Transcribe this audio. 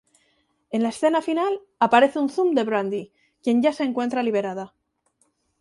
En la escena final, aparece un zoom de Brandi quien ya se encuentra liberada.